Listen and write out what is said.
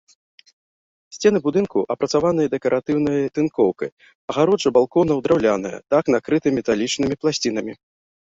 Сцены будынку апрацаваныя дэкаратыўнай тынкоўкай, агароджа балконаў драўляная, дах накрыты металічнымі пласцінамі.